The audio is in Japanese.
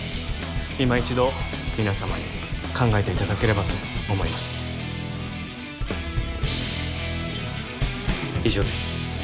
いま一度皆様に考えていただければと思います以上です